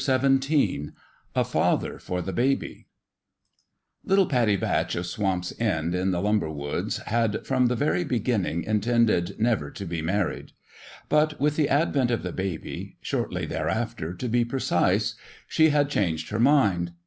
XVII A FATHER FOR THE BABY LITTLE Pattie Batch of Swamp's End in the lumber woods had from the very be ginning intended never to be married ; but with the advent of the baby shortly there after, to be precise she had changed her mind.